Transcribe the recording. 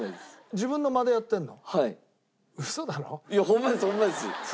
自分の間でやってるの？